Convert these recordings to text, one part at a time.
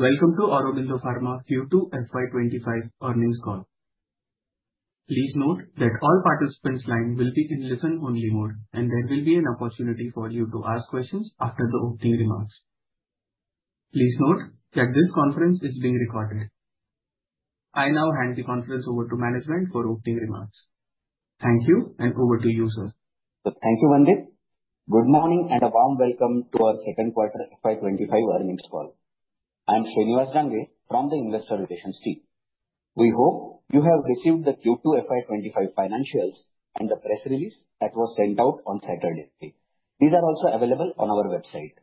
Welcome to Aurobindo Pharma Q2 FY 2025 Earnings Call. Please note that all participants' lines will be in listen-only mode, and there will be an opportunity for you to ask questions after the opening remarks. Please note that this conference is being recorded. I now hand the conference over to management for opening remarks. Thank you, and over to you, sir. Thank you, Vandeep. Good morning and a warm welcome to our second quarter FY 2025 Earnings Call. I'm Shriniwas Dange from the Investor Relations team. We hope you have received the Q2 FY 2025 financials and the press release that was sent out on Saturday. These are also available on our website.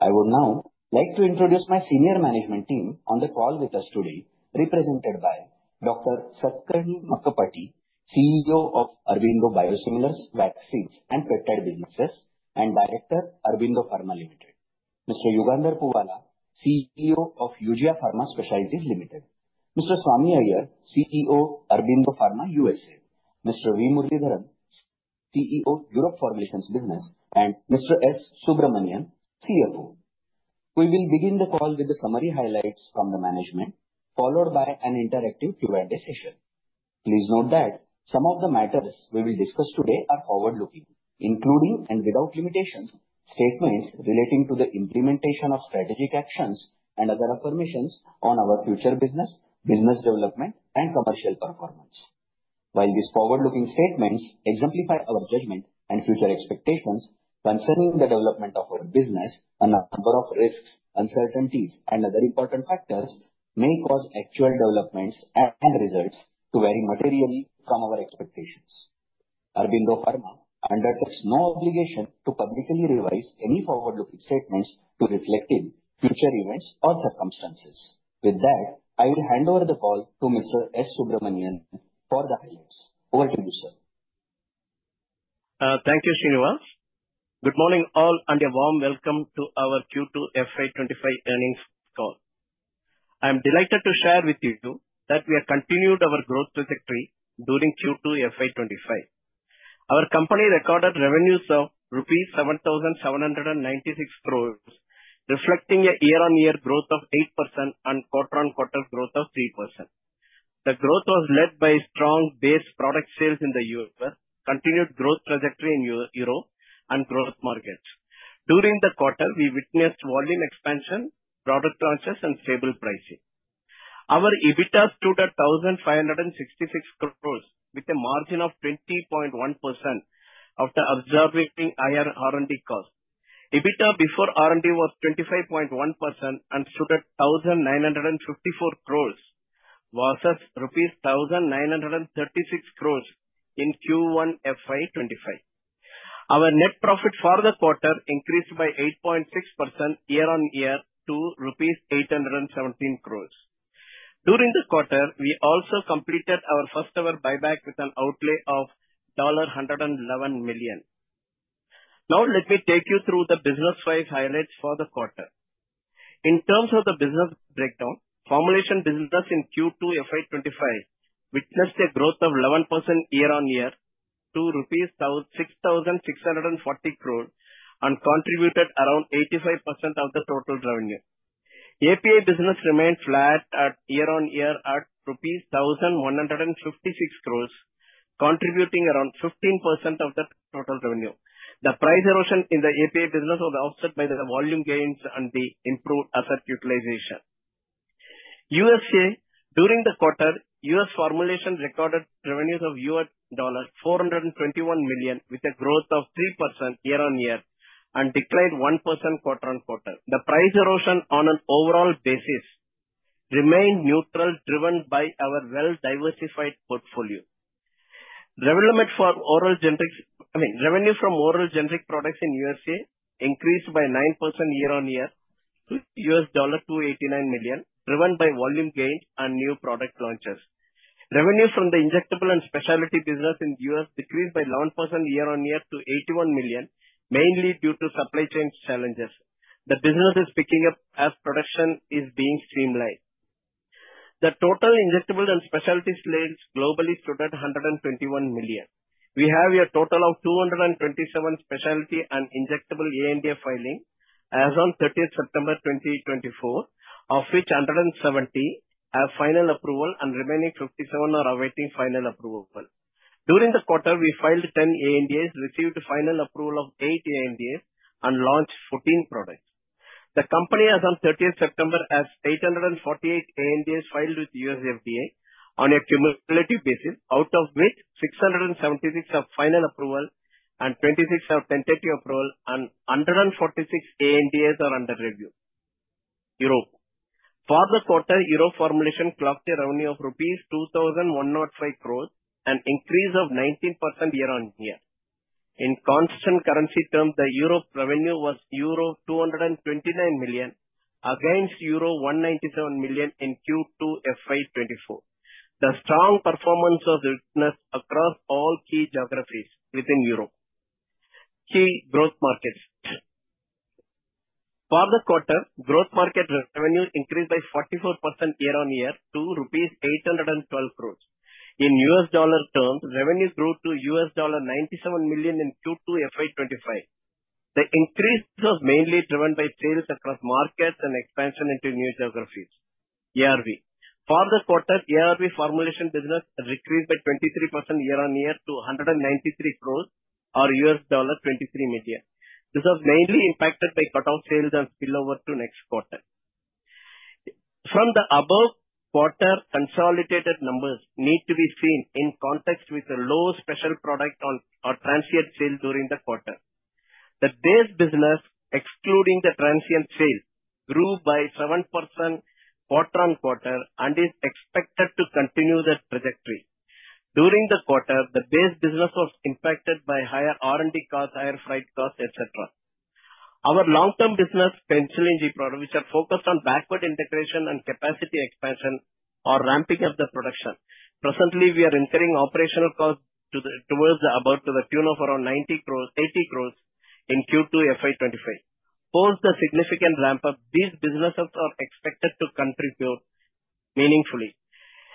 I would now like to introduce my senior management team on the call with us today, represented by Dr. Satakarni Makkapati, CEO of Aurobindo Biosimilars Vaccines and Peptide Businesses, and Director Aurobindo Pharma Limited, Mr. Yugandhar Puvvala, CEO of Eugia Pharma Specialties Limited, Mr. Swami Iyer, CEO Aurobindo Pharma USA, Mr. V. Muralidharan, CEO Europe Formulations Business, and Mr. S. Subramanian, CFO. We will begin the call with the summary highlights from the management, followed by an interactive Q&A session. Please note that some of the matters we will discuss today are forward-looking, including and without limitations, statements relating to the implementation of strategic actions and other affirmations on our future business, business development, and commercial performance. While these forward-looking statements exemplify our judgment and future expectations concerning the development of our business, a number of risks, uncertainties, and other important factors may cause actual developments and results to vary materially from our expectations. Aurobindo Pharma undertakes no obligation to publicly revise any forward-looking statements to reflect future events or circumstances. With that, I will hand over the call to Mr. S. Subramanian for the highlights. Over to you, sir. Thank you, Shriniwas. Good morning, all, and a warm welcome to our Q2 FY 2025 Earnings Call. I'm delighted to share with you that we have continued our growth trajectory during Q2 FY 2025. Our company recorded revenues of rupees 7,796 crores, reflecting a YoY growth of 8% and QoQ growth of 3%. The growth was led by strong base product sales in the U.S., continued growth trajectory in Europe, and growth markets. During the quarter, we witnessed volume expansion, product launches, and stable pricing. Our EBITDA stood at 1,566 crores with a margin of 20.1% after observing higher R&D costs. EBITDA before R&D was 25.1% and stood at 1,954 crores versus rupees 1,936 crores in Q1 FY 2025. Our net profit for the quarter increased by 8.6% YoY to rupees 817 crores. During the quarter, we also completed our first-ever buyback with an outlay of $111 million. Now, let me take you through the business-wise highlights for the quarter. In terms of the business breakdown, formulation business in Q2 FY 2025 witnessed a growth of 11% YoY to rupees 6,640 crores and contributed around 85% of the total revenue. API business remained flat YoY at rupees 1,156 crores, contributing around 15% of the total revenue. The price erosion in the API business was offset by the volume gains and the improved asset utilization. U.S.A., during the quarter, US formulation recorded revenues of $421 million with a growth of 3% YoY and declined 1% QoQ. The price erosion on an overall basis remained neutral, driven by our well-diversified portfolio. Revenue from oral generic products in USA increased by 9% YoY to $289 million, driven by volume gains and new product launches. Revenue from the injectable and specialty business in the U.S. decreased by 11% YoY to $81 million, mainly due to supply chain challenges. The business is picking up as production is being streamlined. The total injectable and specialty sales globally stood at $121 million. We have a total of 227 specialty and injectable ANDA filings as of 30th September 2024, of which 170 have final approval and remaining 57 are awaiting final approval. During the quarter, we filed 10 ANDAs, received final approval of 8 ANDAs, and launched 14 products. The company as of 30 September has 848 ANDAs filed with US FDA on a cumulative basis, out of which 676 have final approval and 26 have tentative approval, and 146 ANDAs are under review. For the quarter, Europe formulation clocked a revenue of rupees 2,105 crores and increased of 19% year-on-year. In constant currency terms, the Europe revenue was euro 229 million against euro 197 million in Q2 FY 2024. The strong performance was witnessed across all key geographies within Europe. Key growth markets. For the quarter, growth market revenue increased by 44% YoY to rupees 812 crores. In US dollar terms, revenue grew to $97 million in Q2 FY 2025. The increase was mainly driven by sales across markets and expansion into new geographies. ARV. For the quarter, ARV formulation business decreased by 23% YoY to 193 crores or $23 million. This was mainly impacted by cut-off sales and spillover to next quarter. From the above, quarter consolidated numbers need to be seen in context with the low special product or transient sales during the quarter. The base business, excluding the transient sales, grew by 7% QoQ and is expected to continue the trajectory. During the quarter, the base business was impacted by higher R&D costs, higher freight costs, etc. Our long-term business, Penicillin G Production, which is focused on backward integration and capacity expansion or ramping up the production. Presently, we are incurring operational costs towards the above to the tune of around 80 crores in Q2 FY 2025. Post the significant ramp-up, these businesses are expected to contribute meaningfully.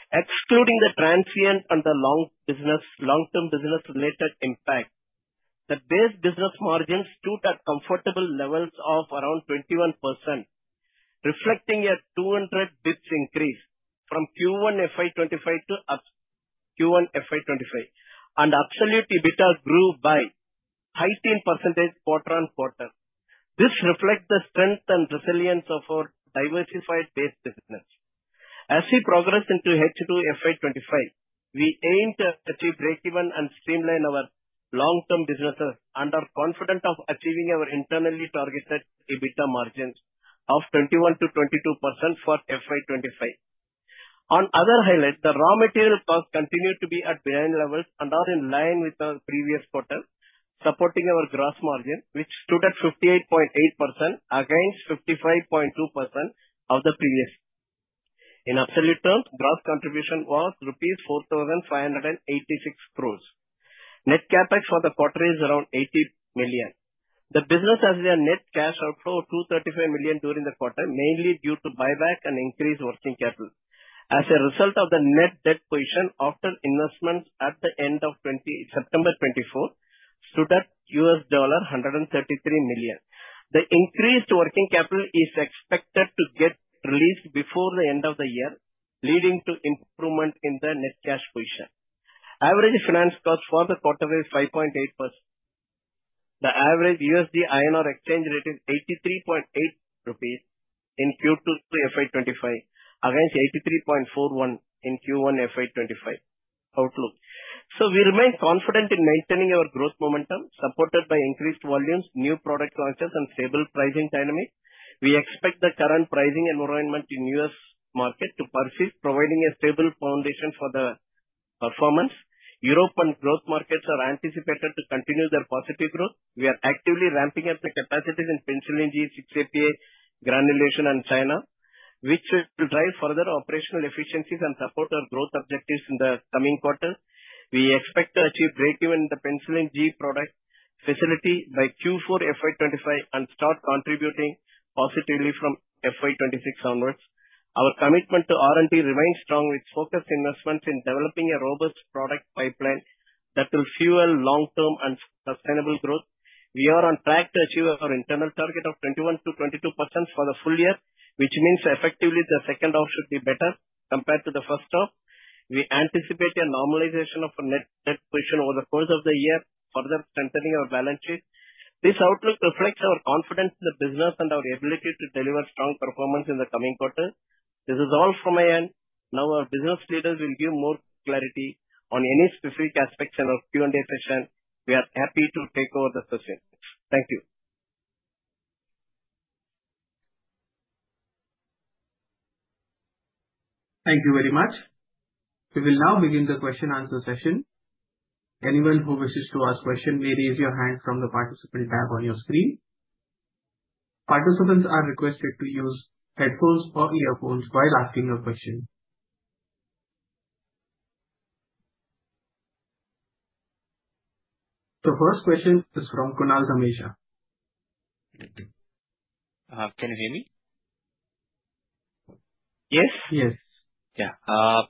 Excluding the transient and the long-term business-related impact, the base business margins stood at comfortable levels of around 21%, reflecting a 200 basis points increase from Q1 FY 2025 to Q2 FY 2025, and absolute EBITDA grew by 13% QoQ. This reflects the strength and resilience of our diversified base business. As we progress into H2 FY 2025, we aim to achieve breakeven and streamline our long-term businesses and are confident of achieving our internally targeted EBITDA margins of 21%-22% for FY 2025. On other highlights, the raw material costs continue to be at benign levels and are in line with our previous quarter, supporting our gross margin, which stood at 58.8% against 55.2% of the previous. In absolute terms, gross contribution was rupees 4,586 crores. Net CapEx for the quarter is around $80 million. The business has a net cash outflow of $235 million during the quarter, mainly due to buyback and increased working capital. As a result, the net debt position after investments at the end of September 2024 stood at $133 million. The increased working capital is expected to get released before the end of the year, leading to improvement in the net cash position. Average finance costs for the quarter were 5.8%. The average USD INR exchange rate is 83.8 rupees in Q2 FY 2025 against 83.41 in Q1 FY 2025 outlook. So we remain confident in maintaining our growth momentum, supported by increased volumes, new product launches, and stable pricing dynamics. We expect the current pricing environment in the U.S. market to persist, providing a stable foundation for the performance. Europe and growth markets are anticipated to continue their positive growth. We are actively ramping up the capacities in penicillin G, 6-APA granulation, and China, which will drive further operational efficiencies and support our growth objectives in the coming quarter. We expect to achieve breakeven in the penicillin G product facility by Q4 FY 2025 and start contributing positively from FY 2026 onwards. Our commitment to R&D remains strong, with focused investments in developing a robust product pipeline that will fuel long-term and sustainable growth. We are on track to achieve our internal target of 21%-22% for the full year, which means effectively the second half should be better compared to the first half. We anticipate a normalization of our net debt position over the course of the year, further strengthening our balance sheet. This outlook reflects our confidence in the business and our ability to deliver strong performance in the coming quarter. This is all from my end. Now, our business leaders will give more clarity on any specific aspects in our Q&A session. We are happy to take over the session. Thank you. Thank you very much. We will now begin the question-answer session. Anyone who wishes to ask a question may raise your hand from the participant tab on your screen. Participants are requested to use headphones or earphones while asking a question. The first question is from Kunal Dhamesha. Can you hear me? Yes? Yes. Yeah.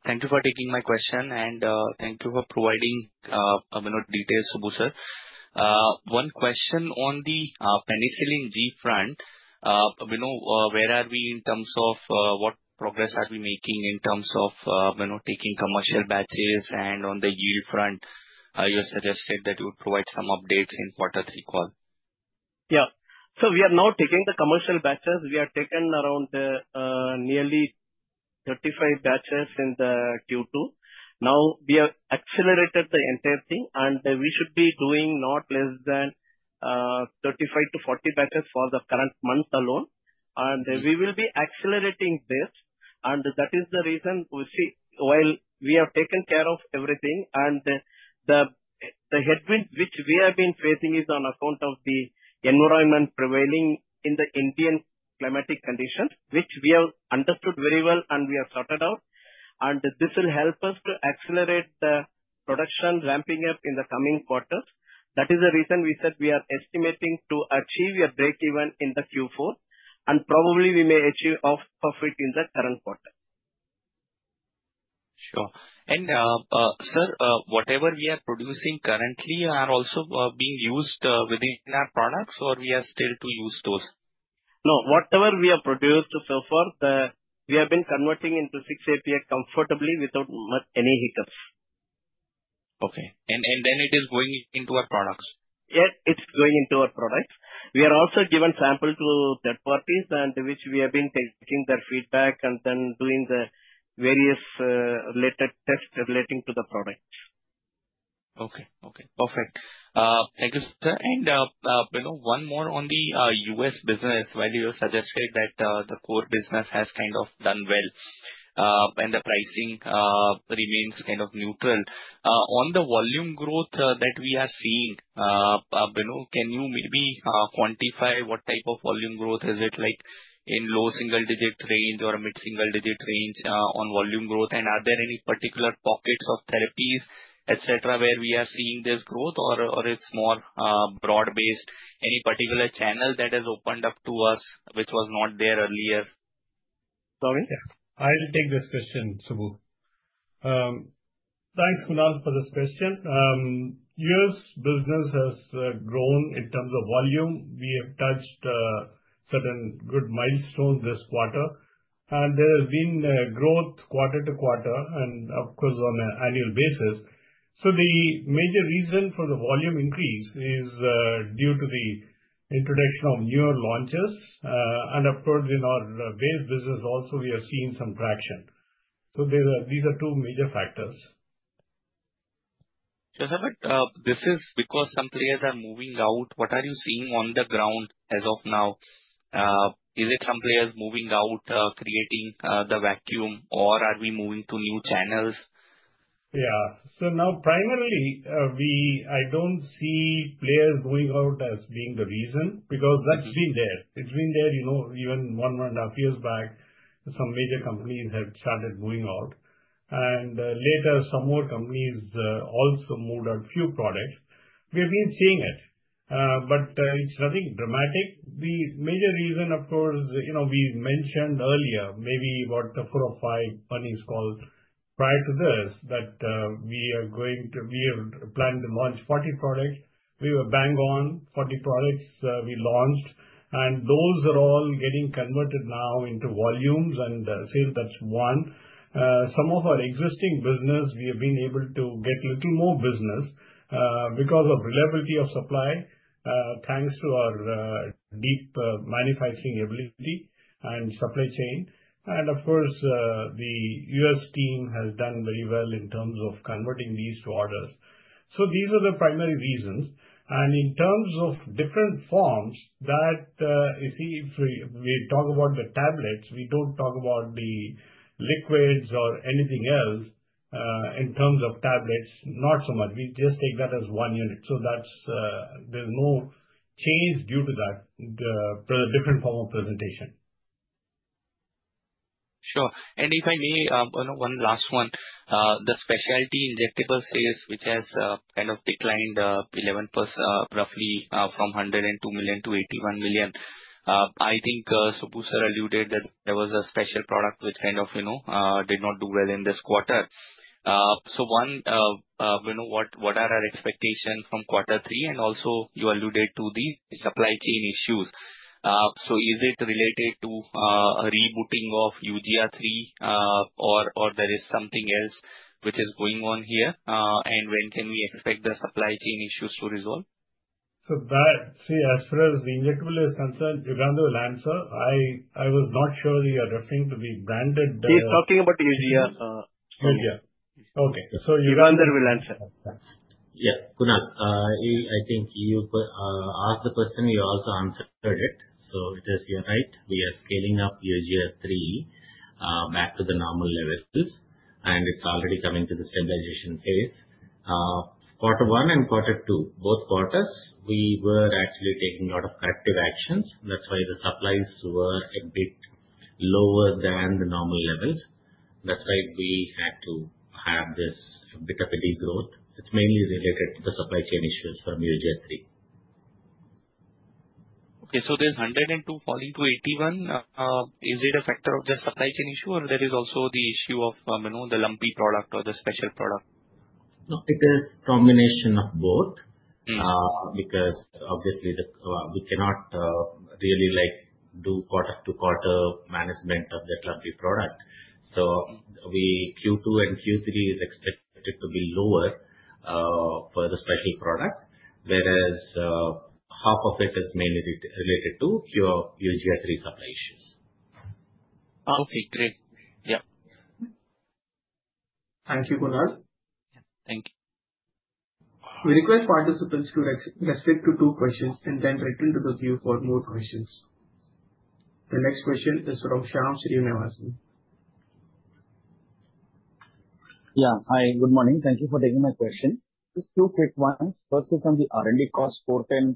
Thank you for taking my question, and thank you for providing details, Subbu sir. One question on the penicillin G front. Where are we in terms of what progress are we making in terms of taking commercial batches? And on the yield front, you suggested that you would provide some updates in quarter three call. Yeah. So we are now taking the commercial batches. We have taken around nearly 35 batches in Q2. Now, we have accelerated the entire thing, and we should be doing not less than 35-40 batches for the current month alone. And we will be accelerating this. And that is the reason we see while we have taken care of everything. And the headwinds which we have been facing is on account of the environment prevailing in the Indian climatic conditions, which we have understood very well and we have sorted out. And this will help us to accelerate the production ramping up in the coming quarters. That is the reason we said we are estimating to achieve a breakeven in Q4. And probably we may achieve off of it in the current quarter. Sure. And, sir, whatever we are producing currently are also being used within our products, or we are still to use those? No. Whatever we have produced so far, we have been converting into 6-APA comfortably without any hiccups. Okay. And then it is going into our products? Yeah, it's going into our products. We are also giving samples to third parties, which we have been taking their feedback and then doing the various tests relating to the products. Okay. Okay. Perfect. Thank you, sir. And one more on the U.S. business, while you suggested that the core business has kind of done well and the pricing remains kind of neutral. On the volume growth that we are seeing, can you maybe quantify what type of volume growth is it like in low-single digit range or mid-single digit range on volume growth? And are there any particular pockets of therapies, etc., where we are seeing this growth, or it's more broad-based? Any particular channel that has opened up to us which was not there earlier? Sorry? Yeah. I'll take this question, Subbu. Thanks, Kunal, for this question. U.S. business has grown in terms of volume. We have touched certain good milestones this quarter. And there has been growth quarter to quarter and, of course, on an annual basis. So the major reason for the volume increase is due to the introduction of newer launches. And, of course, in our base business also, we have seen some traction. So these are two major factors. Sir, but this is because some players are moving out. What are you seeing on the ground as of now? Is it some players moving out, creating the vacuum, or are we moving to new channels? Yeah. So now, primarily, I don't see players moving out as being the reason because that's been there. It's been there even one and a half years back. Some major companies have started moving out. And later, some more companies also moved out a few products. We have been seeing it, but it's nothing dramatic. The major reason, of course, we mentioned earlier, maybe about four or five months call prior to this, that we have planned to launch 40 products. We were bang on 40 products we launched. And those are all getting converted now into volumes and sales. That's one. Some of our existing business, we have been able to get a little more business because of reliability of supply, thanks to our deep manufacturing ability and supply chain. And, of course, the U.S. team has done very well in terms of converting these to orders. So these are the primary reasons. And in terms of different forms, you see, if we talk about the tablets, we don't talk about the liquids or anything else in terms of tablets, not so much. We just take that as one unit. So there's no change due to that for the different form of presentation. Sure. And if I may, one last one. The specialty injectable sales, which has kind of declined 11% roughly from $102 million to $81 million. I think Subbu alluded that there was a special product which kind of did not do well in this quarter. So one, what are our expectations from quarter three? And also, you alluded to the supply chain issues. So is it related to a rebooting of Unit 3, or there is something else which is going on here? And when can we expect the supply chain issues to resolve? So see, as far as the injectable is concerned, Yugandhar will answer. I was not sure you are referring to the branded. He's talking about Eugia. Eugia. Okay, so Yugandhar will answer. Yeah. Kunal, I think you asked the question. We also answered it. So it is, you're right. We are scaling up Unit 3 back to the normal levels. And it's already coming to the stabilization phase. Quarter one and quarter two, both quarters, we were actually taking a lot of corrective actions. That's why the supplies were a bit lower than the normal levels. That's why we had to have this bit of a degrowth. It's mainly related to the supply chain issues from Unit 3. Okay. So there's $102 million falling to $81 million. Is it a factor of the supply chain issue, or there is also the issue of the lumpy product or the special product? No. It is a combination of both because, obviously, we cannot really do quarter-to-quarter management of that lumpy product. So Q2 and Q3 is expected to be lower for the sterile product, whereas half of it is mainly related to Unit 3 supply issues. Okay. Great. Yeah. Thank you, Kunal. Yeah. Thank you. We request participants to restrict to two questions and then return to the queue for more questions. The next question is from Shyam Srinivasan. Yeah. Hi. Good morning. Thank you for taking my question. Just two quick ones. First is on the R&D cost, 410 crore,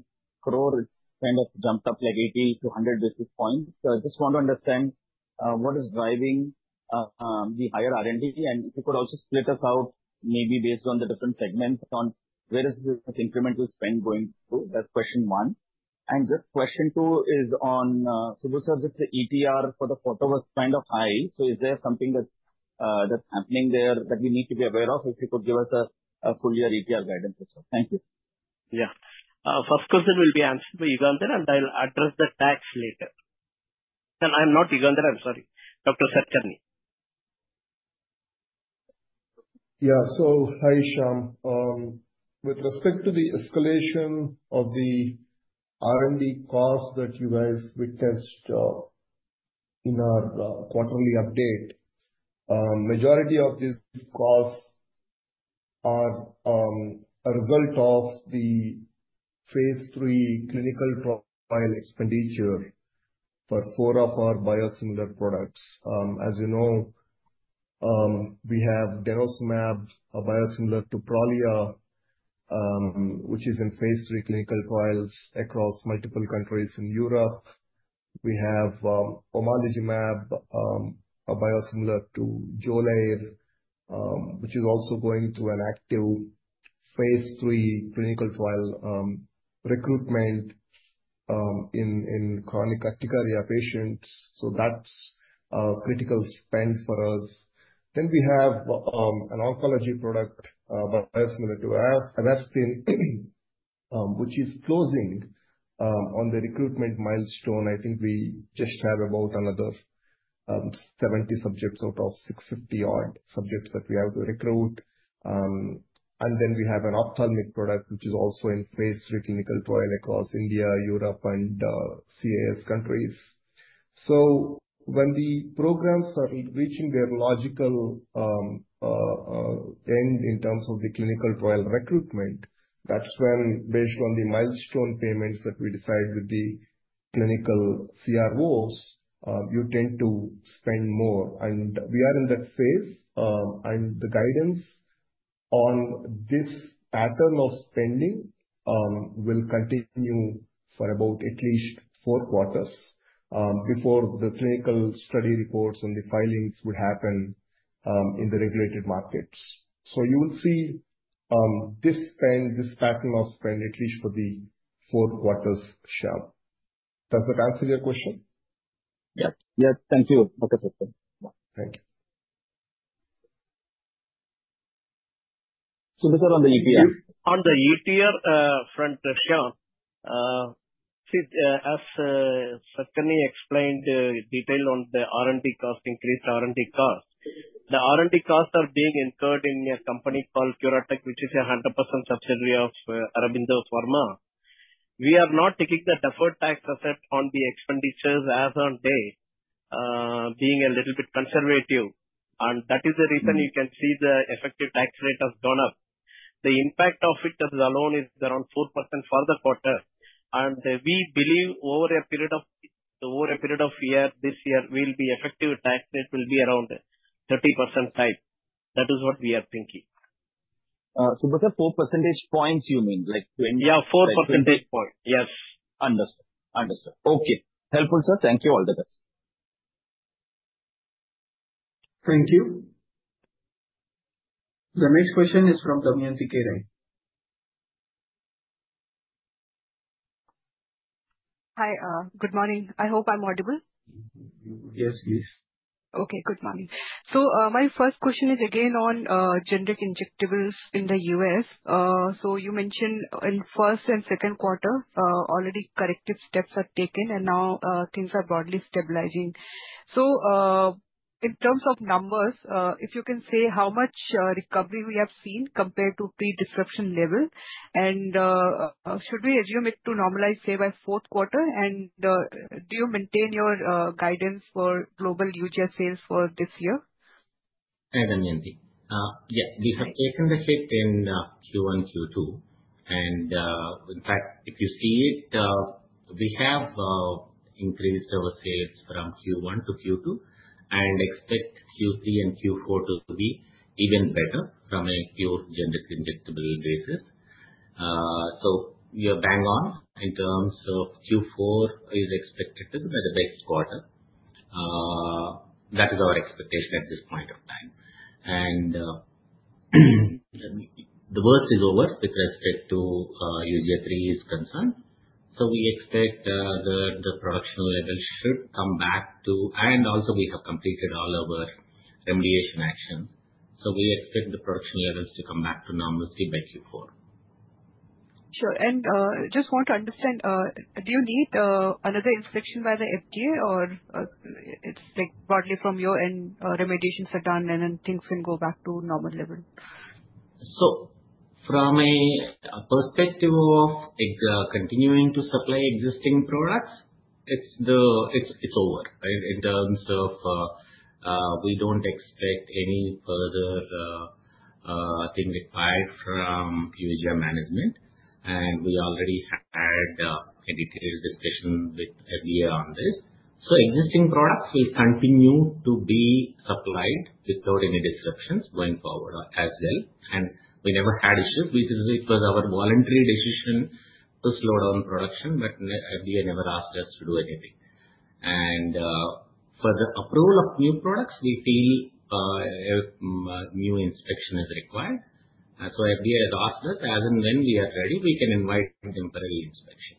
kind of jumped up like 80-100 basis points. So I just want to understand what is driving the higher R&D. And you could also split us out maybe based on the different segments on where is this incremental spend going to. That's question one. And just question two is on Subbu's ETR for the quarter was kind of high. So is there something that's happening there that we need to be aware of? If you could give us a full year ETR guidance as well. Thank you. Yeah. First question will be answered by Yugandhar, and I'll address the tax later. I'm not Yugandhar. I'm sorry. Dr. Satakarni. Yeah. So hi, Shyam. With respect to the escalation of the R&D costs that you guys witnessed in our quarterly update, the majority of these costs are a result of the phase III clinical trial expenditure for four of our biosimilar products. As you know, we have denosumab, a biosimilar to Prolia, which is in phase III clinical trials across multiple countries in Europe. We have omalizumab, a biosimilar to Xolair, which is also going through an active phase III clinical trial recruitment in chronic urticaria patients. So that's critical spend for us. Then we have an oncology product, a biosimilar to Avastin, which is closing on the recruitment milestone. I think we just have about another 70 subjects out of 650-odd subjects that we have to recruit. And then we have an ophthalmic product, which is also in phase III clinical trial across India, Europe, and CIS countries. So when the programs are reaching their logical end in terms of the clinical trial recruitment, that's when, based on the milestone payments that we decide with the clinical CROs, you tend to spend more. And we are in that phase. And the guidance on this pattern of spending will continue for about at least four quarters before the clinical study reports and the filings would happen in the regulated markets. So you will see this pattern of spend, at least for the four quarters, Shyam. Does that answer your question? Yeah. Yeah. Thank you, Dr. Satakarni. Thank you. Subbu's on the ETR. On the ETR front, Shyam, as Satakarni explained in detail on the R&D cost, increased R&D cost, the R&D costs are being incurred in a company called CuraTeQ, which is a 100% subsidiary of Aurobindo Pharma. We are not taking the deferred tax asset on the expenditures as of today being a little bit conservative. And that is the reason you can see the effective tax rate has gone up. The impact of it alone is around 4% for the quarter. And we believe over a period of a year, this year, we'll be effective tax rate will be around 30% type. That is what we are thinking. Subbu, 4 percentage points, you mean? Yeah, 4 percentage point. Yes. Understood. Understood. Okay. Helpful, sir. Thank you, all the best. Thank you. The next question is from Damayanti Kerai. Hi. Good morning. I hope I'm audible. Yes, please. Okay. Good morning. So my first question is again on generic injectables in the U.S. So you mentioned in first and second quarter, already corrective steps are taken, and now things are broadly stabilizing. So in terms of numbers, if you can say how much recovery we have seen compared to predisruption level, and should we assume it to normalize, say, by fourth quarter? And do you maintain your guidance for global Eugia sales for this year? Hi, Damayanti. Yeah. We have taken the hit in Q1, Q2. And in fact, if you see it, we have increased our sales from Q1 to Q2 and expect Q3 and Q4 to be even better from a pure generic injectable basis. So we are bang on in terms of Q4 is expected to be the best quarter. That is our expectation at this point of time. And the worst is over with respect to Unit 3 is concerned. So we expect the production level should come back to, and also, we have completed all of our remediation actions. So we expect the production levels to come back to normalcy by Q4. Sure. And just want to understand, do you need another inspection by the FDA, or it's broadly from your end, remediation is done, and then things can go back to normal level? From a perspective of continuing to supply existing products, it's over in terms of we don't expect any further thing required from Unit 3 management. And we already had a detailed discussion with FDA on this. Existing products will continue to be supplied without any disruptions going forward as well. And we never had issues. It was our voluntary decision to slow down production, but FDA never asked us to do anything. And for the approval of new products, we feel new inspection is required. FDA has asked us, as and when we are ready, we can invite temporary inspection.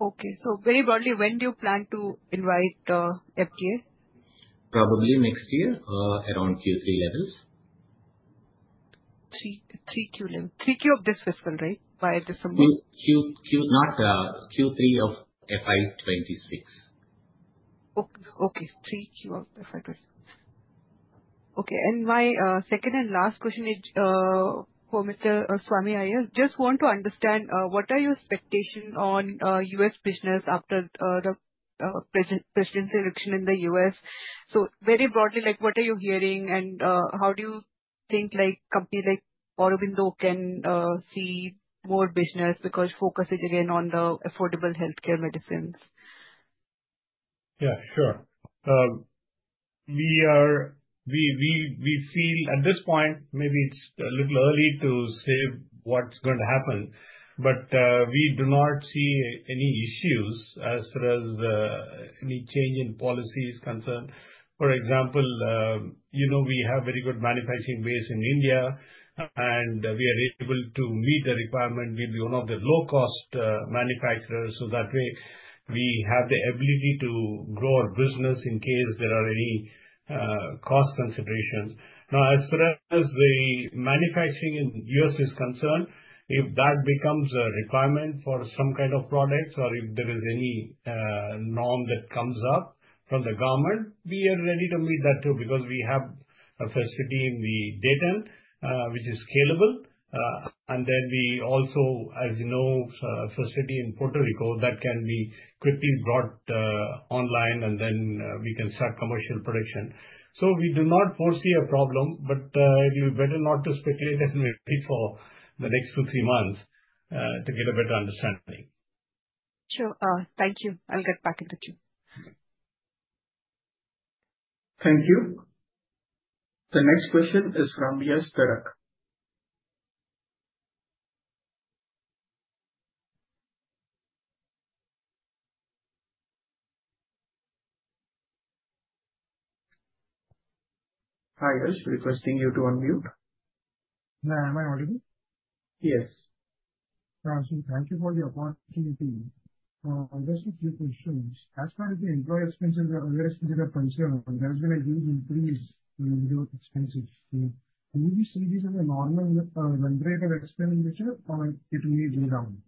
Okay, so very broadly, when do you plan to invite FDA? Probably next year, around Q3 levels. 3Q of this fiscal year, right, by December? Not Q3 of FY26. Okay. 3Q of FY 2026. Okay. And my second and last question is for Mr. Swami Iyer. Just want to understand, what are your expectations on U.S. business after the presidential election in the U.S.? So very broadly, what are you hearing, and how do you think a company like Aurobindo can see more business because focus is again on the affordable healthcare medicines? Yeah. Sure. We feel at this point, maybe it's a little early to say what's going to happen, but we do not see any issues as far as any change in policy is concerned. For example, we have a very good manufacturing base in India, and we are able to meet the requirement. We'll be one of the low-cost manufacturers. So that way, we have the ability to grow our business in case there are any cost considerations. Now, as far as the manufacturing in U.S. is concerned, if that becomes a requirement for some kind of products, or if there is any norm that comes up from the government, we are ready to meet that too because we have a facility in the Dayton, which is scalable. And then we also, as you know, a facility in Puerto Rico that can be quickly brought online, and then we can start commercial production. So we do not foresee a problem, but it will be better not to speculate and wait for the next two, three months to get a better understanding. Sure. Thank you. I'll get back into it. Thank you. The next question is from Yash Parikh. Hi, Yash. Requesting you to unmute. Yeah. Am I audible? Yes. Thank you for the opportunity. Just a few questions. As far as the employee expenses, there are various particular concerns. There has been a huge increase in those expenses. Do you see this as a normal rate of expenditure, or it will be reduced?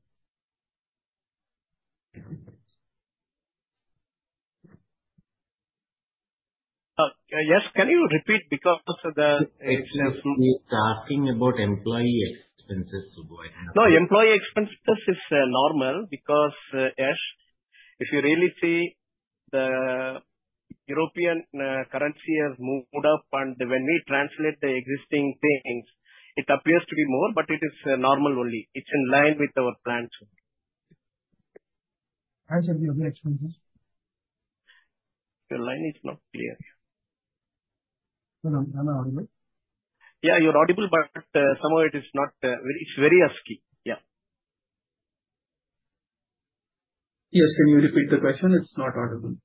Yash, can you repeat because the? It's just me asking about employee expenses, Subramanian. No, employee expenses is normal because, Yash, if you really see, the European currency has moved up, and when we translate the existing things, it appears to be more, but it is normal only. It's in line with our plan too. Hi, Subbu. Your expenses? Your line is not clear. I'm audible. Yeah, you're audible, but somehow it is not very husky. Yeah. Yes, can you repeat the question? It's not audible.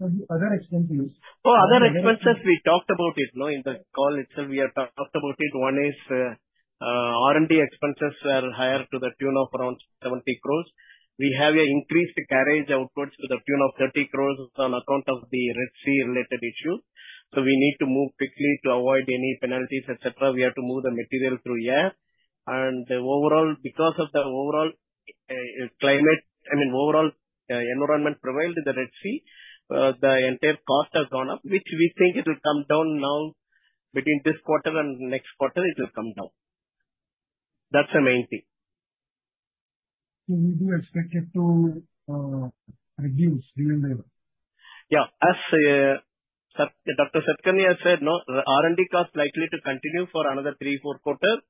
Other expenses? Oh, other expenses, we talked about it in the call itself. We have talked about it. One is R&D expenses are higher to the tune of around 70 crores. We have an increased carriage outward to the tune of 30 crores on account of the Red Sea-related issues. So we need to move quickly to avoid any penalties, etc. We have to move the material through air. And because of the overall climate, I mean, overall environment prevailed in the Red Sea, the entire cost has gone up, which we think it will come down now between this quarter and next quarter, it will come down. That's the main thing. So you do expect it to reduce given the. Yeah. As Dr. Satakarni has said, R&D costs likely to continue for another three, four quarters.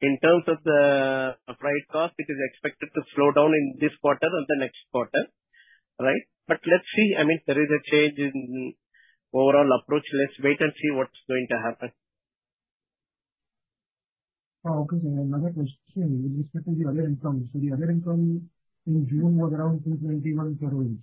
In terms of the freight cost, it is expected to slow down in this quarter and the next quarter, right? But let's see. I mean, there is a change in overall approach. Let's wait and see what's going to happen. Okay. Another question. You discussed the other income. So the other income in June was around 221 crores,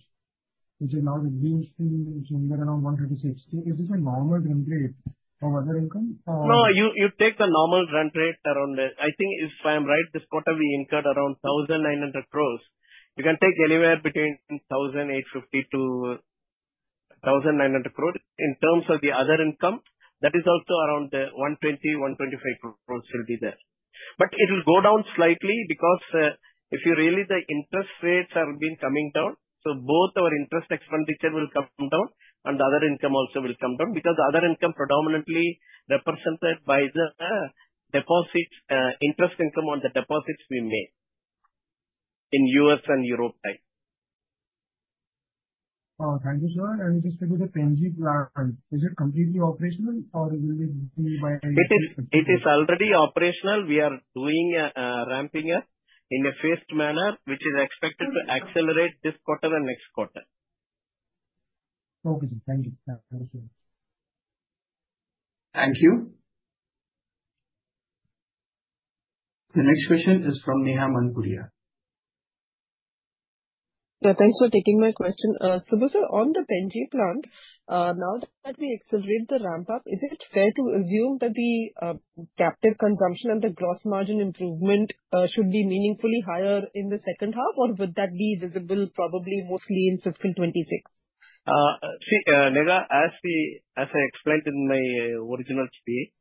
which is now reduced to somewhere around 136. Is this a normal run rate of other income? No, you take the normal run rate around. I think if I am right, this quarter we incurred around 1,900 crores. You can take anywhere between 1,850-1,900 crores. In terms of the other income, that is also around 120-125 crores will be there. But it will go down slightly because, really, the interest rates have been coming down, so both our interest expenditure will come down, and the other income also will come down because the other income predominantly represented by the deposits, interest income on the deposits we made in U.S. and Europe at the time. Thank you, sir. And just a bit of NG plans. Is it completely operational, or will it be by? It is already operational. We are doing ramping up in a phased manner, which is expected to accelerate this quarter and next quarter. Okay. Thank you. Thank you. Thank you. The next question is from Neha Manpuria. Yeah. Thanks for taking my question. Subbu, on the pen G plant, now that we accelerate the ramp-up, is it fair to assume that the captive consumption and the gross margin improvement should be meaningfully higher in the second half, or would that be visible probably mostly in fiscal 2026? See, Neha, as I explained in my original speech,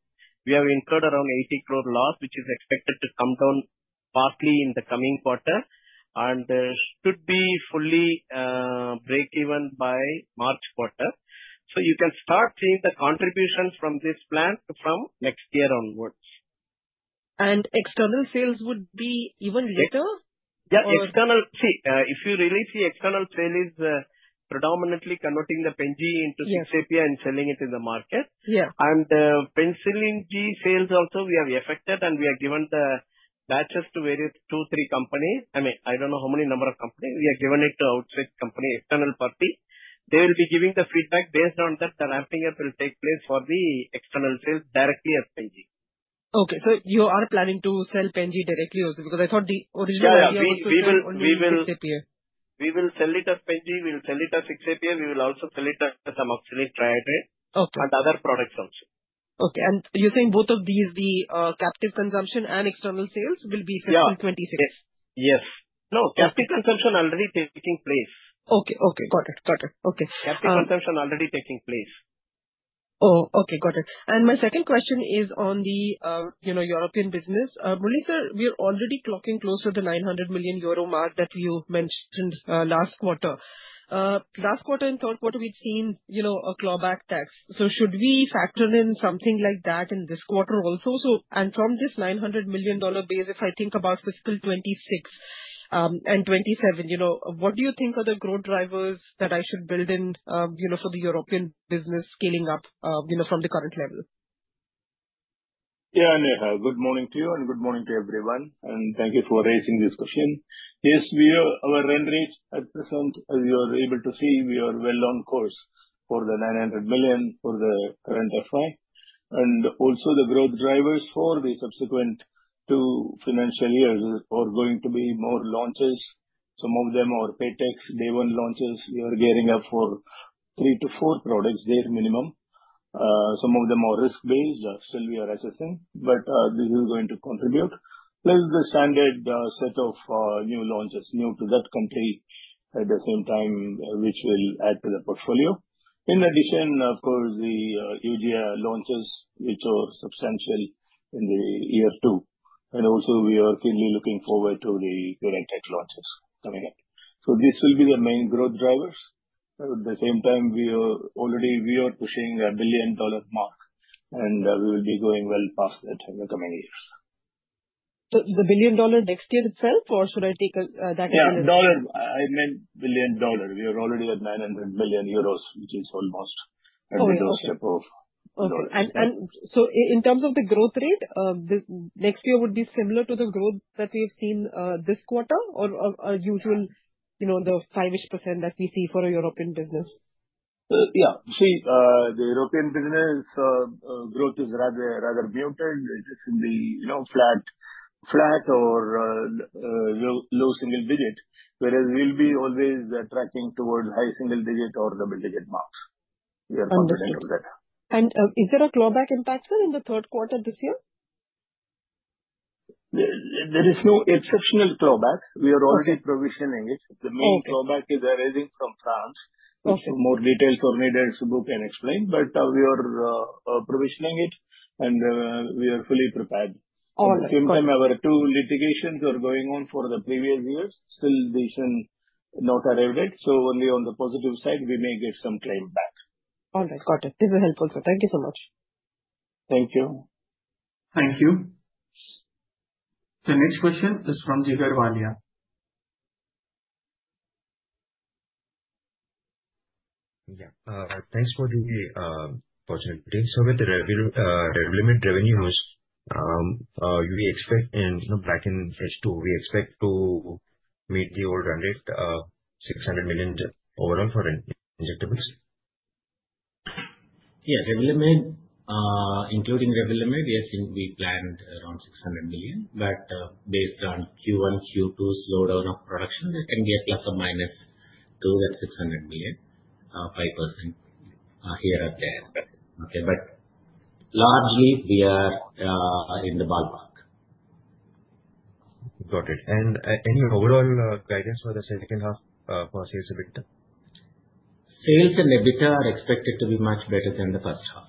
we have incurred around 80 crore loss, which is expected to come down partly in the coming quarter and should be fully break-even by March quarter. So you can start seeing the contributions from this plant from next year onwards. External sales would be even later? Yeah. See, if you really see, external sale is predominantly converting the penicillin G into 6-APA and selling it in the market. And the penicillin G sales also, we have effected, and we have given the batches to various two, three companies. I mean, I don't know how many number of companies. We have given it to outside company, external party. They will be giving the feedback based on that. The ramping up will take place for the external sales directly at penicillin G. Okay. So you are planning to sell penicillin G directly also because I thought the original. Yeah. We will sell it as penicillin G. We will sell it as 6-APA. We will also sell it as some amoxicillin trihydrate and other products also. Okay, and you're saying both of these, the captive consumption and external sales, will be fiscal 2026? Yes. Yes. No, captive consumption already taking place. Okay. Okay. Got it. Got it. Okay. Captive consumption already taking place. Oh, okay. Got it. And my second question is on the European business. Muralidharan, we're already clocking close to the 900 million euro mark that you mentioned last quarter. Last quarter and third quarter, we'd seen a clawback tax. So should we factor in something like that in this quarter also? And from this $900 million base, if I think about fiscal 2026 and 2027, what do you think are the growth drivers that I should build in for the European business scaling up from the current level? Yeah. Neha, good morning to you, and good morning to everyone. And thank you for raising this question. Yes, our revenue rates at present, as you are able to see, we are well on course for the $900 million for the current FY. And also, the growth drivers for the subsequent two financial years are going to be more launches. Some of them are peptides, day-one launches. We are gearing up for three to four products there minimum. Some of them are risk-based. Still, we are assessing, but this is going to contribute. Plus, the standard set of new launches new to that country at the same time, which will add to the portfolio. In addition, of course, the Eugia 3 launches, which are substantial in the year two. And also, we are keenly looking forward to the peptide launches coming up. So this will be the main growth drivers. At the same time, already we are pushing a $1 billion mark, and we will be going well past that in the coming years. The $1 billion next year itself, or should I take that as? Yeah. I meant billion dollar. We are already at 900 million euros, which is almost at the doorstep of. Okay. And so in terms of the growth rate, next year would be similar to the growth that we have seen this quarter or usual the 5-ish percent that we see for a European business? Yeah. See, the European business growth is rather muted. It is in the flat or low-single digit, whereas we'll be always tracking towards high-single digit or double digit marks. We are confident of that. Is there a clawback impact, sir, in the third quarter this year? There is no exceptional clawback. We are already provisioning it. The main clawback is arising from France. More details are needed, Subbu can explain. But we are provisioning it, and we are fully prepared. All right. At the same time, our two litigations are going on for the previous years. Still, they shouldn't not arrive yet. So only on the positive side, we may get some claim back. All right. Got it. This is helpful, sir. Thank you so much. Thank you. Thank you. The next question is from Jigar Valia. Yeah. Thanks for the opportunity. So with the regulated revenues, we expect in black and white too, we expect to meet the old $100-$600 million overall for injectables. Yeah. Including regulated, we have seen we planned around $600 million. But based on Q1, Q2 slowdown of production, there can be a plus or minus to that $600 million, 5% here or there. Okay. But largely, we are in the ballpark. Got it. And any overall guidance for the second half for sales of EBITDA? Sales and EBITDA are expected to be much better than the first half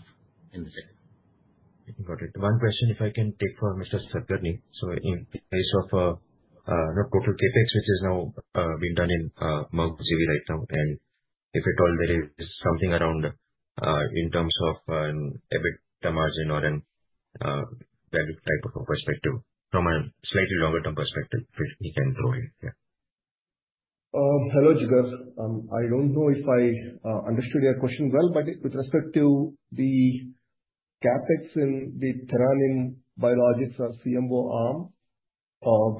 in the second. Got it. One question, if I can take for Mr. Satakarni. So in case of total CapEx, which is now being done in Mahabubnagar City right now, and if at all there is something around in terms of an EBITDA margin or a value type of perspective from a slightly longer-term perspective, we can throw in here. Hello, Jigar. I don't know if I understood your question well, but with respect to the CapEx in the TheraNym Biologics or CDMO arm,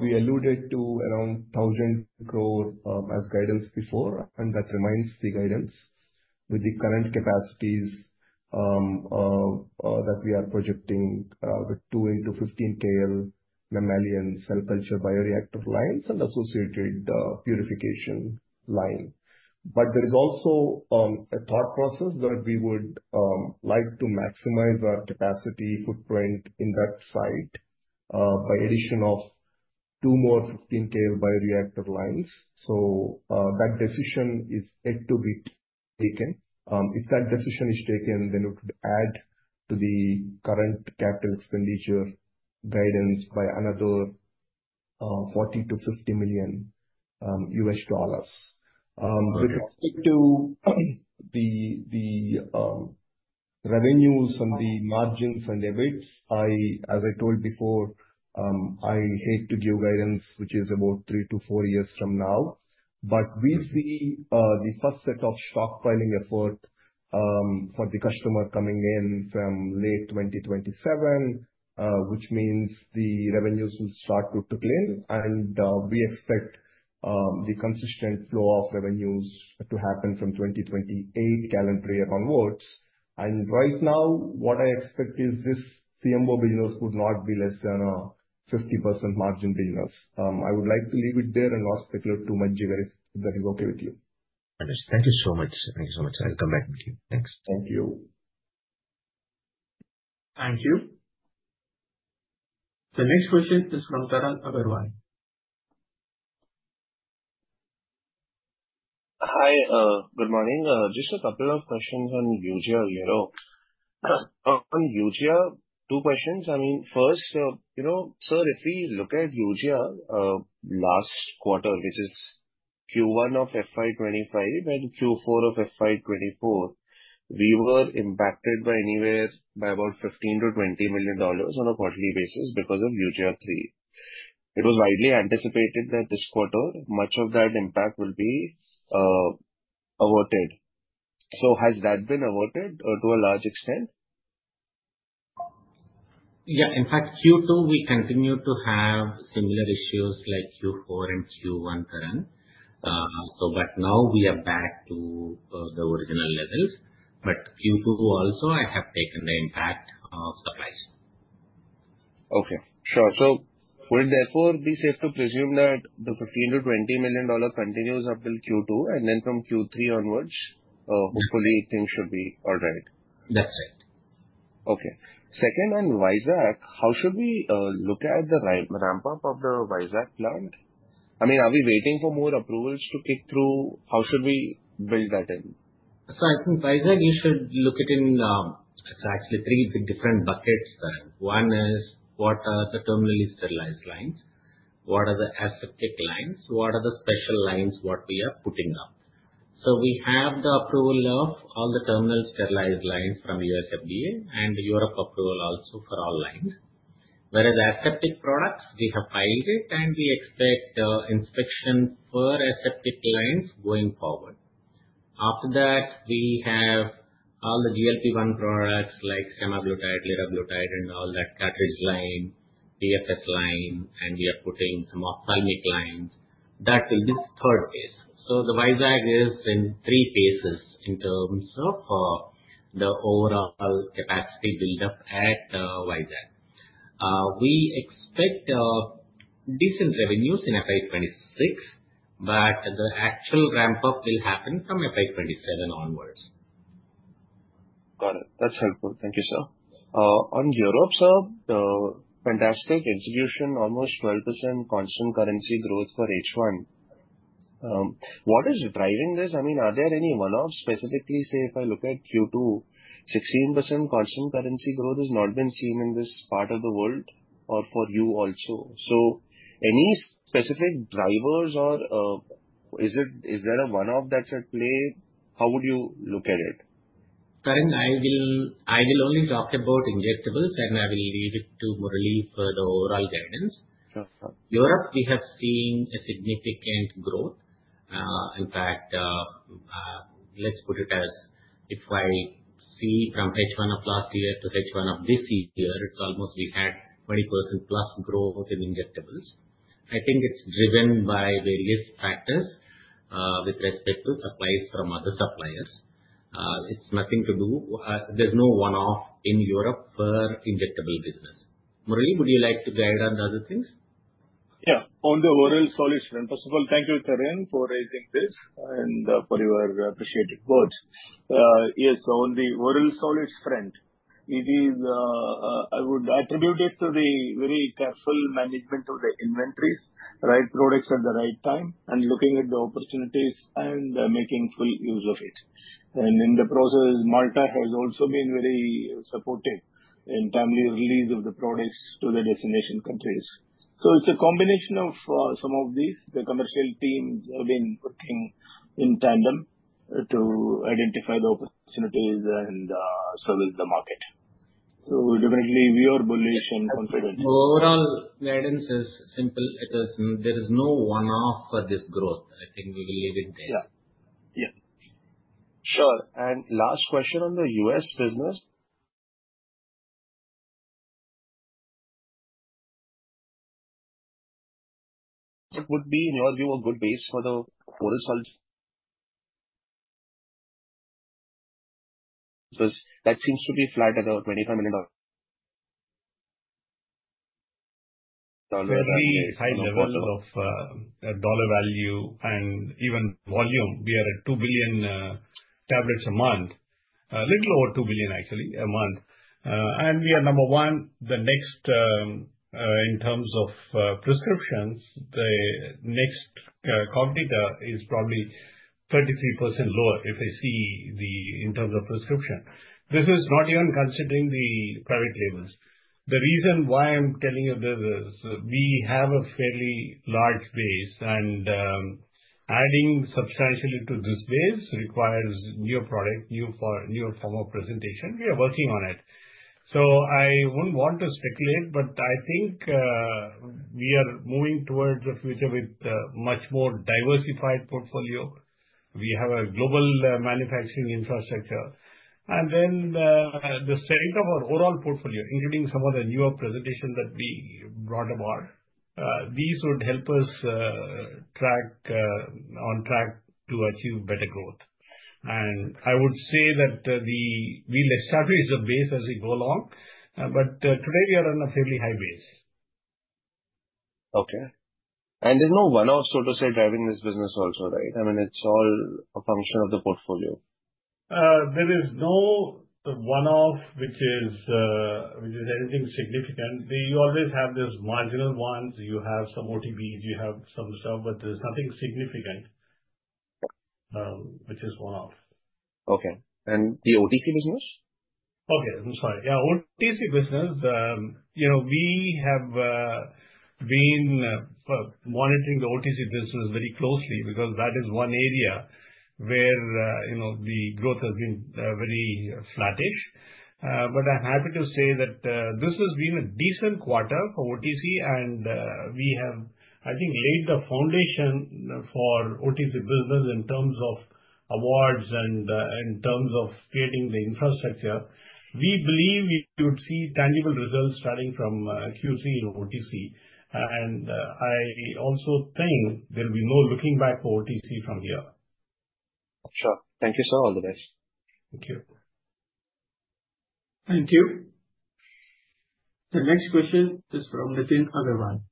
we alluded to around 1,000 crore as guidance before, and that remains the guidance with the current capacities that we are projecting around two 15KL mammalian cell culture bioreactor lines and associated purification line. But there is also a thought process that we would like to maximize our capacity footprint in that site by addition of two more 15KL bioreactor lines. So that decision is yet to be taken. If that decision is taken, then it would add to the current capital expenditure guidance by another $40-$50 million. With respect to the revenues and the margins and EBITDA, as I told before, I hate to give guidance, which is about three to four years from now. But we see the first set of stockpiling effort for the customer coming in from late 2027, which means the revenues will start to clean. And we expect the consistent flow of revenues to happen from 2028 calendar year onwards. And right now, what I expect is this CDMO business would not be less than a 50% margin business. I would like to leave it there and not speculate too much, Jigar, if that is okay with you. Thank you so much. Thank you so much. I'll come back with you. Thanks. Thank you. Thank you. The next question is from Tarang Agarwal. Hi. Good morning. Just a couple of questions on Unit here. On Unit, two questions. I mean, first, sir, if we look at Unit last quarter, which is Q1 of FY 2025 and Q4 of FY 2024, we were impacted by anywhere by about $15 million-$20 million on a quarterly basis because of Unit 3. It was widely anticipated that this quarter, much of that impact will be averted. So has that been averted to a large extent? Yeah. In fact, Q2, we continued to have similar issues like Q4 and Q1 current. But now we are back to the original levels. But Q2 also, I have taken the impact of supply chain. Okay. Sure. So would therefore be safe to presume that the $15 million-$20 million continues up till Q2, and then from Q3 onwards, hopefully, things should be all right? That's right. Okay. Second, on Vizag, how should we look at the ramp-up of the Vizag plant? I mean, are we waiting for more approvals to kick through? How should we build that in? So I think Vizag, you should look at it in actually three different buckets. One is what are the terminally sterilized lines? What are the aseptic lines? What are the special lines what we are putting up? So we have the approval of all the terminally sterilized lines from U.S. FDA and European approval also for all lines. Whereas aseptic products, we have piloted, and we expect inspection for aseptic lines going forward. After that, we have all the GLP-1 products like semaglutide, liraglutide, and all that cartridge line, PFS line, and we are putting some ophthalmic lines. That will be the third phase. So the Vizag is in three phases in terms of the overall capacity build-up at Vizag. We expect decent revenues in FY 2026, but the actual ramp-up will happen from FY 2027 onwards. Got it. That's helpful. Thank you, sir. On Europe, sir, fantastic execution, almost 12% constant currency growth for H1. What is driving this? I mean, are there any one-offs specifically? Say if I look at Q2, 16% constant currency growth has not been seen in this part of the world or for you also. So any specific drivers, or is there a one-off that's at play? How would you look at it? Currently, I will only talk about injectables, and I will leave it to Murli for the overall guidance. Europe, we have seen a significant growth. In fact, let's put it as if I see from H1 of last year to H1 of this year, it's almost we had 20% plus growth in injectables. I think it's driven by various factors with respect to supplies from other suppliers. It's nothing to do. There's no one-off in Europe for injectable business. Murli, would you like to guide on the other things? Yeah. On the oral solids, first of all, thank you, Tarun, for raising this and for your appreciated words. Yes. On the oral solids, I would attribute it to the very careful management of the inventories, right products at the right time, and looking at the opportunities and making full use of it. And in the process, Malta has also been very supportive in timely release of the products to the destination countries. So it's a combination of some of these. The commercial teams have been working in tandem to identify the opportunities and service the market. So definitely, we are bullish and confident. Overall, guidance is simple. There is no one-off for this growth. I think we will leave it there. Yeah. Yeah. Sure. And last question on the U.S. business. What would be, in your view, a good base for the oral solid? Because that seems to be flat at the $25 million. We are at a very high level of dollar value and even volume. We are at 2 billion tablets a month, a little over 2 billion, actually, a month, and we are number one. The next, in terms of prescriptions, the next competitor is probably 33% lower if I see the, in terms of prescription. This is not even considering the private labels. The reason why I'm telling you this is we have a fairly large base, and adding substantially to this base requires new product, new form of presentation. We are working on it, so I wouldn't want to speculate, but I think we are moving towards the future with a much more diversified portfolio. We have a global manufacturing infrastructure. And then the strength of our overall portfolio, including some of the newer presentations that we brought about. These would help us on track to achieve better growth. And I would say that we will establish the base as we go along. But today, we are on a fairly high base. Okay. And there's no one-off, so to say, driving this business also, right? I mean, it's all a function of the portfolio. There is no one-off which is anything significant. You always have those marginal ones. You have some OTBs. You have some stuff, but there's nothing significant which is one-off. Okay, and the OTC business? Okay. I'm sorry. Yeah. OTC business, we have been monitoring the OTC business very closely because that is one area where the growth has been very flattish. But I'm happy to say that this has been a decent quarter for OTC, and we have, I think, laid the foundation for OTC business in terms of awards and in terms of creating the infrastructure. We believe we would see tangible results starting from Q4 in OTC. And I also think there will be no looking back for OTC from here. Sure. Thank you, sir. All the best. Thank you. Thank you. The next question is from Nitin Agarwal.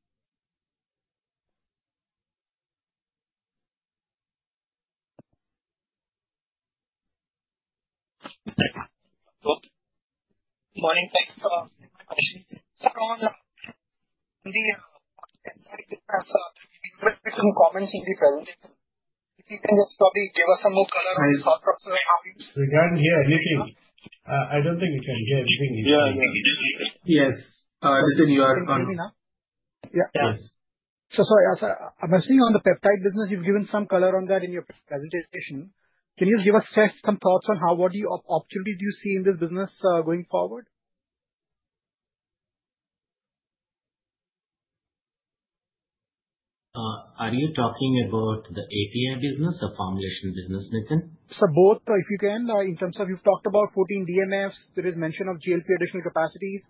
Good morning. Thanks for the question. Sir, on the peptide business, I think we heard some comments in the presentation. If you can just probably give us some more color on the thought process, I hope you. We can't hear anything. I don't think we can hear anything. Yes. Nitin, you are on. Can you hear me now? Yeah. Yes. So, sorry. I'm assuming on the peptide business, you've given some color on that in your presentation. Can you just give us some thoughts on what opportunities do you see in this business going forward? Are you talking about the API business or formulation business, Nitin? Sir, both, if you can, in terms of you've talked about 14 DMFs. There is mention of GLP additional capacities.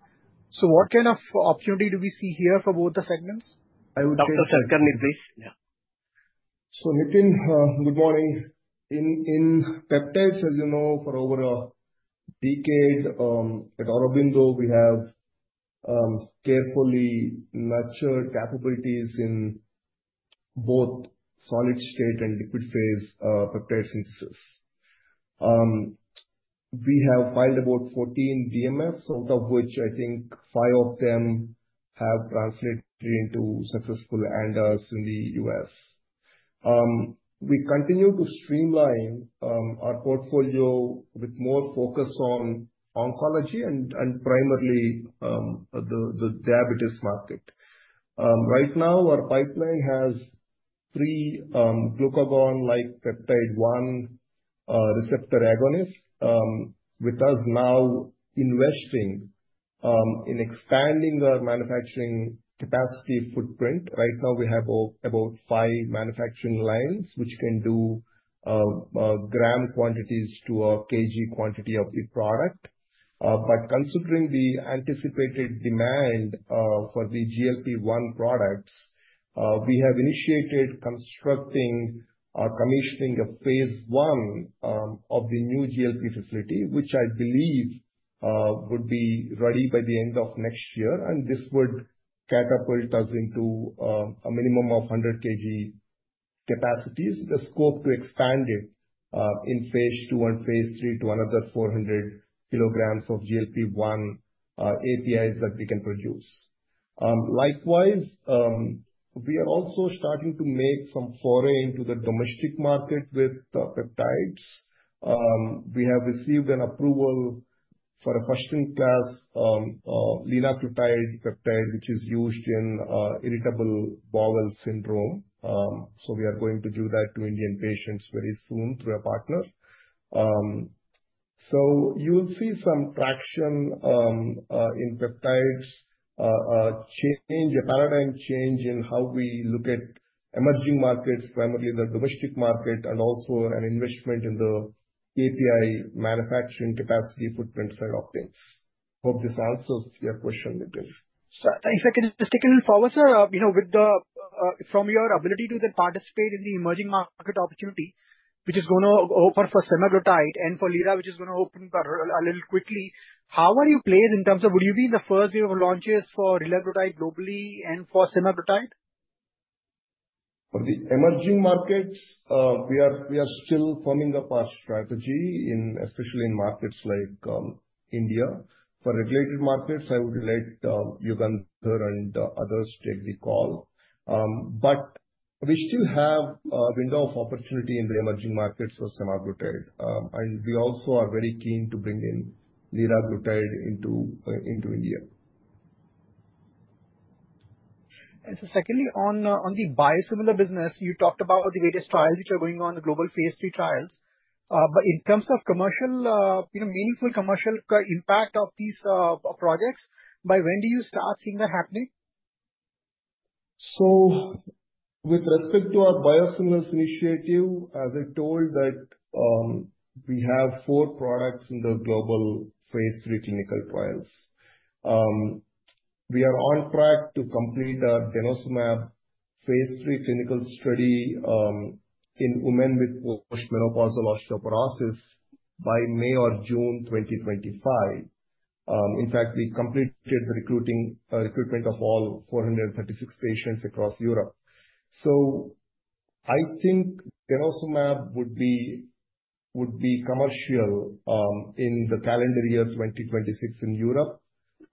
So what kind of opportunity do we see here for both the segments? I would say. Dr. Satakarni, please. Yeah. So, Nitin, good morning. In peptides, as you know, for over a decade, at Aurobindo, we have carefully nurtured capabilities in both solid state and liquid phase peptide synthesis. We have filed about 14 DMFs, out of which I think five of them have translated into successful ANDAs in the U.S. We continue to streamline our portfolio with more focus on oncology and primarily the diabetes market. Right now, our pipeline has three glucagon-like peptide-1 receptor agonists, with us now investing in expanding our manufacturing capacity footprint. Right now, we have about five manufacturing lines which can do gram quantities to a kg quantity of the product. But considering the anticipated demand for the GLP-1 products, we have initiated constructing or commissioning a phase I of the new GLP facility, which I believe would be ready by the end of next year. And this would catapult us into a minimum of 100 kg capacities, the scope to expand it in phase II and phase III to another 400 kg of GLP-1 APIs that we can produce. Likewise, we are also starting to make some foray into the domestic market with peptides. We have received an approval for a first-in-class linaclotide peptide, which is used in irritable bowel syndrome. So we are going to do that to Indian patients very soon through a partner. So you will see some traction in peptides, a paradigm change in how we look at emerging markets, primarily the domestic market, and also an investment in the API manufacturing capacity footprint side of things. Hope this answers your question, Nitin. Sir, if I can just take a little further, sir, from your ability to then participate in the emerging market opportunity, which is going to open for semaglutide and for liraglutide, which is going to open a little quickly, how are you placed in terms of would you be in the first wave of launches for liraglutide globally and for semaglutide? For the emerging markets, we are still forming up our strategy, especially in markets like India. For regulated markets, I would let Yugandhar and others take the call. But we still have a window of opportunity in the emerging markets for semaglutide. And we also are very keen to bring in Liraglutide into India. And so secondly, on the biosimilar business, you talked about the various trials which are going on, the global phase III trials. But in terms of meaningful commercial impact of these projects, by when do you start seeing that happening? With respect to our biosimilars initiative, as I told, we have four products in the global phase III clinical trials. We are on track to complete our denosumab phase III clinical study in women with postmenopausal osteoporosis by May or June 2025. In fact, we completed the recruitment of all 436 patients across Europe. I think denosumab would be commercial in the calendar year 2026 in Europe.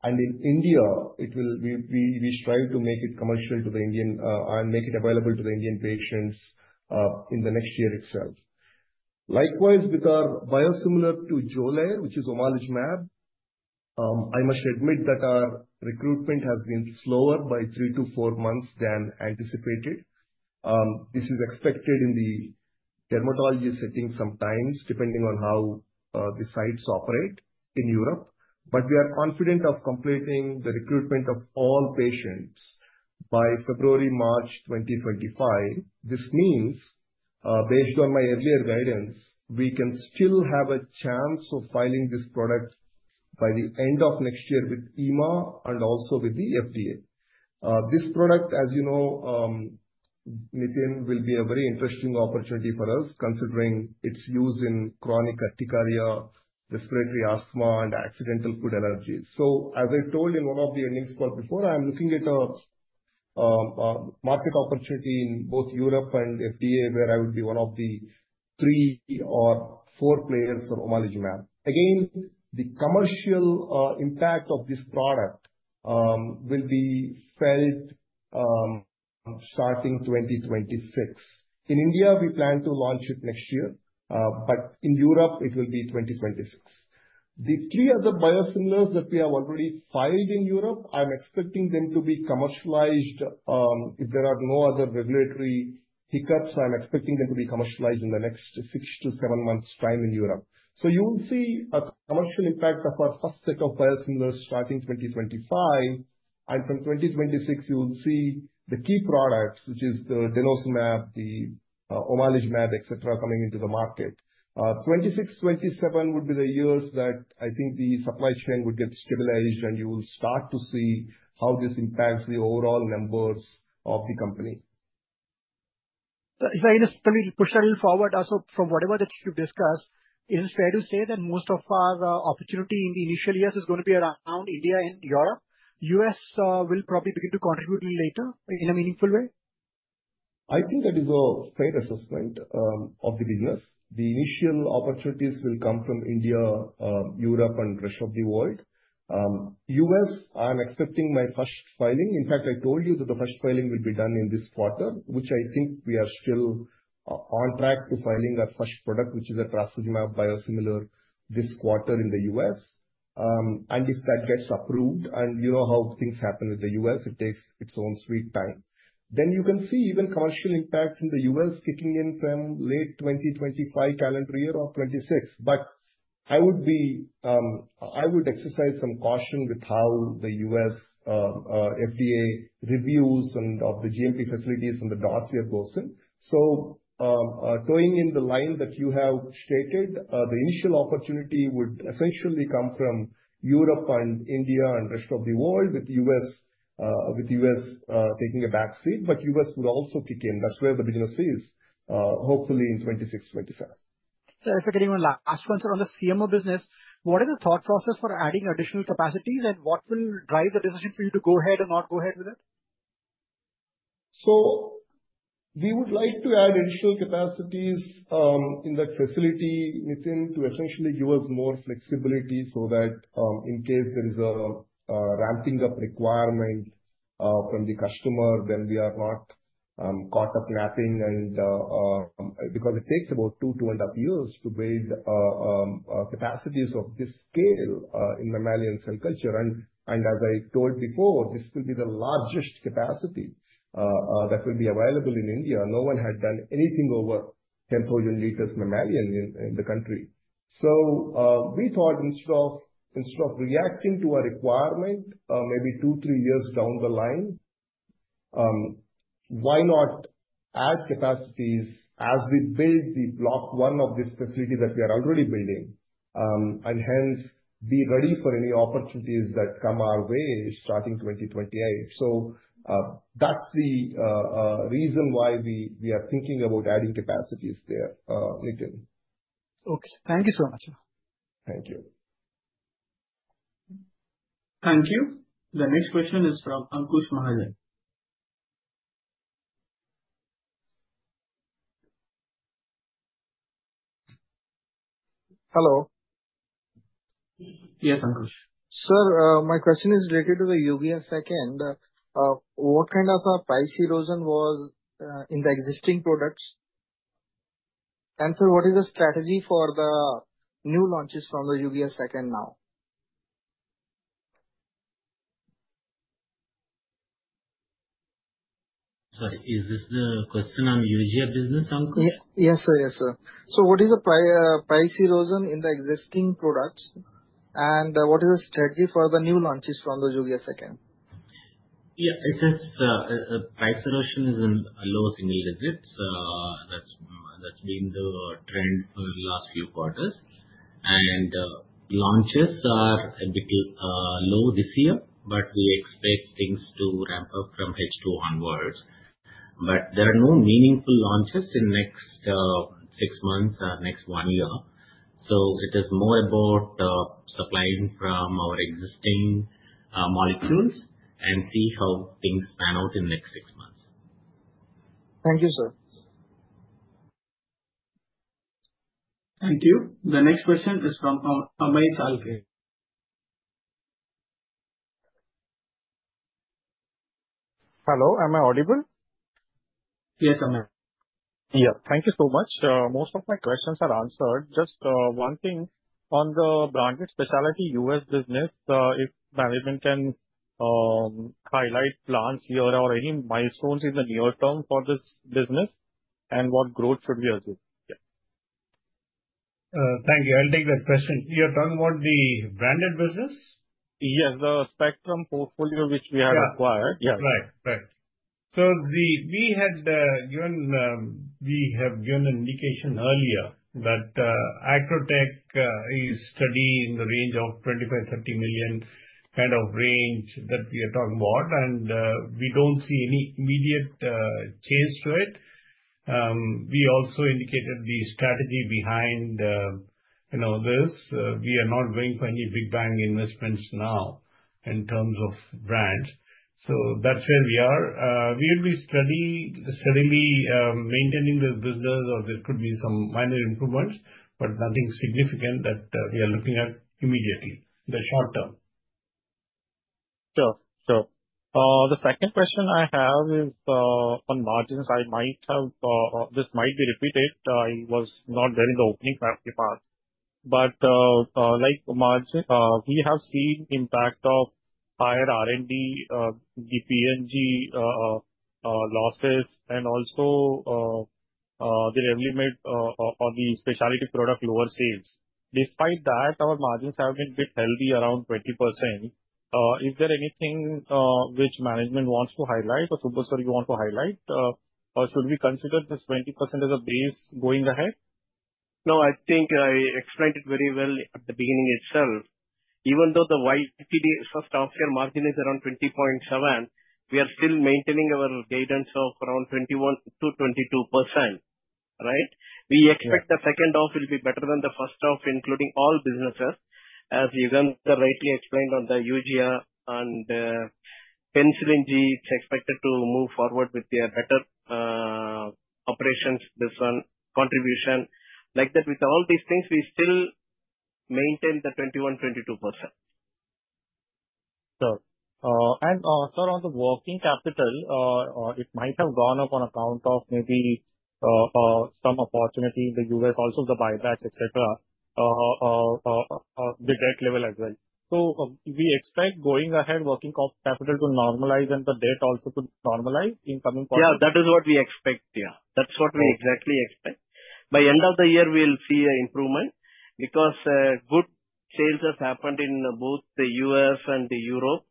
And in India, we strive to make it commercial to the Indian and make it available to the Indian patients in the next year itself. Likewise, with our biosimilar to Xolair, which is omalizumab, I must admit that our recruitment has been slower by three to four months than anticipated. This is expected in the dermatology setting sometimes, depending on how the sites operate in Europe. But we are confident of completing the recruitment of all patients by February, March 2025. This means, based on my earlier guidance, we can still have a chance of filing this product by the end of next year with EMA and also with the FDA. This product, as you know, Nitin, will be a very interesting opportunity for us, considering its use in chronic urticaria, respiratory asthma, and accidental food allergies. As I told in one of the earnings calls before, I am looking at a market opportunity in both Europe and FDA, where I would be one of the three or four players for omalizumab. Again, the commercial impact of this product will be felt starting 2026. In India, we plan to launch it next year. But in Europe, it will be 2026. The three other biosimilars that we have already filed in Europe, I'm expecting them to be commercialized. If there are no other regulatory hiccups, I'm expecting them to be commercialized in the next six to seven months' time in Europe. You will see a commercial impact of our first set of biosimilars starting 2025. From 2026, you will see the key products, which is the denosumab, the omalizumab, etc., coming into the market. 2026, 2027 would be the years that I think the supply chain would get stabilized, and you will start to see how this impacts the overall numbers of the company. So if I can just push a little forward also from whatever that you've discussed, is it fair to say that most of our opportunity in the initial years is going to be around India and Europe? US will probably begin to contribute a little later in a meaningful way. I think that is a fair assessment of the business. The initial opportunities will come from India, Europe, and the rest of the world. U.S., I'm expecting my first filing. In fact, I told you that the first filing will be done in this quarter, which I think we are still on track to filing our first product, which is a trastuzumab biosimilar, this quarter in the U.S. And if that gets approved, and you know how things happen with the U.S., it takes its own sweet time. Then you can see even commercial impact in the U.S. kicking in from late 2025 calendar year or 2026. But I would exercise some caution with how the U.S. FDA reviews and of the GMP facilities and the dossier goes in. So, along the lines that you have stated, the initial opportunity would essentially come from Europe and India and the rest of the world, with the U.S. taking a back seat. But U.S. would also kick in. That's where the business is, hopefully in 2026, 2027. Sir, if I can take one last one, sir, on the CMO business, what is the thought process for adding additional capacities, and what will drive the decision for you to go ahead or not go ahead with it? We would like to add additional capacities in that facility, Nitin, to essentially give us more flexibility so that in case there is a ramping-up requirement from the customer, then we are not caught up napping. Because it takes about two, two and a half years to build capacities of this scale in mammalian cell culture. And as I told before, this will be the largest capacity that will be available in India. No one had done anything over 10,000 liters mammalian in the country. We thought instead of reacting to a requirement maybe two, three years down the line, why not add capacities as we build the block one of this facility that we are already building, and hence be ready for any opportunities that come our way starting 2028. That's the reason why we are thinking about adding capacities there, Nitin. Okay. Thank you so much, sir. Thank you. Thank you. The next question is from Ankush Mahajan. Hello. Yes, Ankush. Sir, my question is related to the Eugia 2. What kind of a price erosion was in the existing products? And sir, what is the strategy for the new launches from the Eugia 2 now? Sorry, is this the question on Eugia business, Ankush? Yes, sir. Yes, sir. So what is the price erosion in the existing products, and what is the strategy for the new launches from the Eugia 2? Yeah. It says price erosion is a low single-digit. That's been the trend for the last few quarters. And launches are a bit low this year, but we expect things to ramp up from H2 onwards. But there are no meaningful launches in the next six months or next one year. So it is more about supplying from our existing molecules and see how things pan out in the next six months. Thank you, sir. Thank you. The next question is from Amey Chalke. Hello. Am I audible? Yes, Amey. Yeah. Thank you so much. Most of my questions are answered. Just one thing on the branded specialty U.S. business, if management can highlight plans here or any milestones in the near term for this business and what growth should we assume? Thank you. I'll take that question. You're talking about the branded business? Yes. The Spectrum portfolio which we have acquired. Right. Right. We have given an indication earlier that Acrotech is studying the $25 million-$30 million range that we are talking about. We don't see any immediate change to it. We also indicated the strategy behind this. We are not going for any big bang investments now in terms of brands. That's where we are. We will be steadily maintaining the business, or there could be some minor improvements, but nothing significant that we are looking at immediately in the short term. Sure. Sure. The second question I have is on margins. I might have; this might be repeated. I was not there in the opening part. But like margins, we have seen impact of higher R&D, Pen G losses, and also the revenue on the specialty product lower sales. Despite that, our margins have been a bit healthy, around 20%. Is there anything which management wants to highlight or supposedly wants to highlight? Should we consider this 20% as a base going ahead? No, I think I explained it very well at the beginning itself. Even though the YTD stuctural margin is around 20.7%, we are still maintaining our cadence of around 21%-22%. Right? We expect the second half will be better than the first half, including all businesses. As Yugandhar rightly explained on the Eugia and penicillin G, it's expected to move forward with their better operations, this one, contribution. Like that, with all these things, we still maintain the 21%-22%. Sure. And sir, on the working capital, it might have gone up on account of maybe some opportunity in the U.S., also the buybacks, etc., the debt level as well. So we expect going ahead, working capital to normalize and the debt also to normalize in coming quarters. Yeah, that is what we expect. Yeah. That's what we exactly expect. By end of the year, we'll see an improvement because good sales have happened in both the U.S. and Europe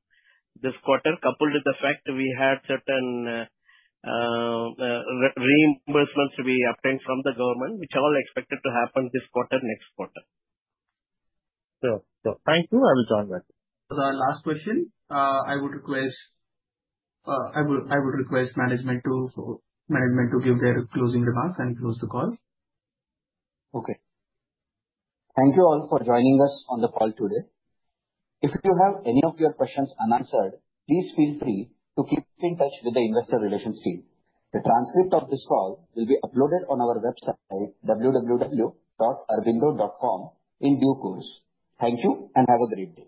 this quarter, coupled with the fact we had certain reimbursements we obtained from the government, which are all expected to happen this quarter, next quarter. Sure. Sure. Thank you. I will join that. The last question, I would request management to give their closing remarks and close the call. Okay. Thank you all for joining us on the call today. If you have any of your questions unanswered, please feel free to keep in touch with the investor relations team. The transcript of this call will be uploaded on our website, www.aurobindo.com, in due course. Thank you and have a great day.